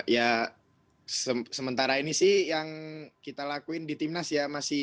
ya sementara ini sih yang kita lakuin di timnas ya